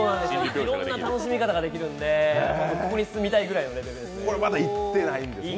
いろんな楽しみ方ができるんでここに住みたいレベルですね。